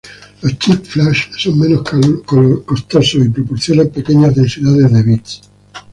Los chips flash son menos costosos y proporcionan pequeñas densidades de bits.